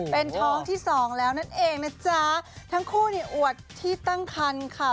เป็นท้องที่สองแล้วนั่นเองนะจ๊ะทั้งคู่เนี่ยอวดที่ตั้งคันค่ะ